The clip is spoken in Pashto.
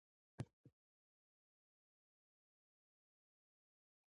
روژه د ایمان تازه کولو موسم دی.